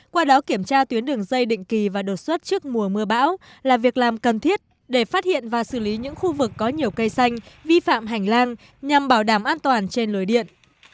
qua đó kiểm tra tuyến đường dây định kỳ và đột xuất trước mùa mưa bão là việc làm cần thiết để phát hiện và xử lý những khu vực có nhiều cây xanh vi phạm hành lang nhằm bảo đảm an toàn trên lưới điện